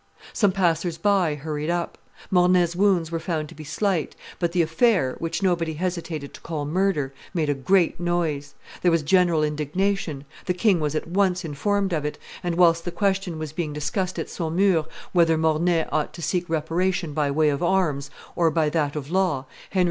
Some passers by hurried up; Mornay's wounds were found to be slight; but the affair, which nobody hesitated to call murder, made a great noise; there was general indignation; the king was at once informed of it; and whilst the question was being discussed at Saumur whether Mornay ought to seek reparation by way of arms or by that of law, Henry IV.